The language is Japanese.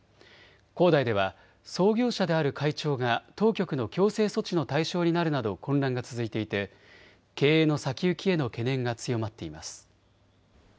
恒大では創業者である会長が当局の強制措置の対象になるなど混乱が続いていて経営の先行きへの懸念が強まっています。